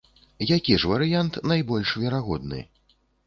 Які ж варыянт найбольш верагодны?